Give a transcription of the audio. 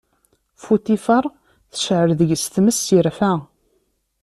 Futifaṛ tecɛel deg-s tmes, irfa.